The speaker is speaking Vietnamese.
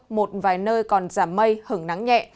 một vài nơi còn giảm mây hứng nắng nhẹ